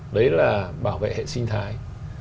đấy là bảo vệ hệ sinh thái